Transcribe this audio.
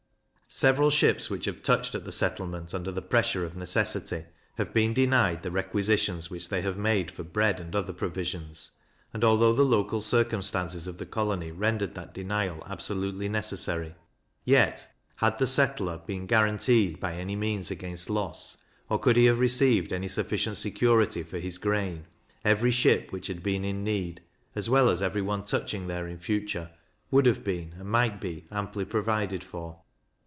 Several ships which have touched at the settlement under the pressure of necessity, have been denied the requisitions which they have made for bread and other provisions; and, although the local circumstances of the colony rendered that denial absolutely necessary, yet, had the settler been guaranteed by any means against loss, or could he have received any sufficient security for his grain, every ship which had been in need, as well as every one touching there in future, would have been, and might be, amply provided for.